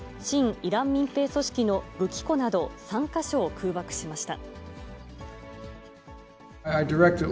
イラン民兵組織の武器庫など３か所を空爆しました。